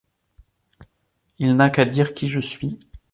il n’a qu’à dire qui je suis.